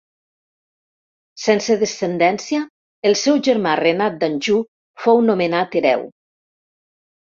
Sense descendència el seu germà Renat d'Anjou fou nomenat hereu.